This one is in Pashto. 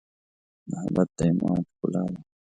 محبت د ایمان ښکلا ده.